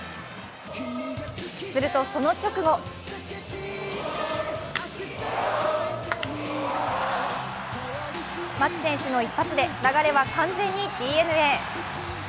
するとその直後牧選手の一発で流れは完全にＤｅＮＡ。